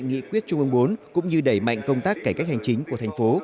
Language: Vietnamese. nghị quyết trung ương bốn cũng như đẩy mạnh công tác cải cách hành chính của thành phố